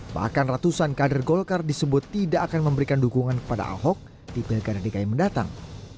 bahkan ratusan kader golkar disebut tidak akan memberikan dukungan kepada ahok di pilkada dki mendatang